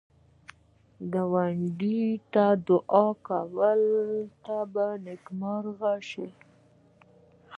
که ګاونډي ته دعایې کوې، ته به نېکمرغه شې